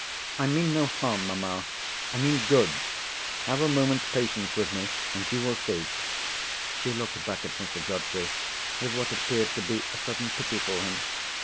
"I mean no harm, mamma—I mean good. Have a moment's patience with me, and you will see." She looked back at Mr. Godfrey, with what appeared to be a sudden pity for him.